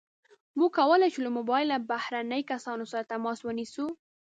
موږ کولی شو له موبایل نه بهرني کسان سره تماس ونیسو.